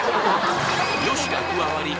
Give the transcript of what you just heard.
善しが加わり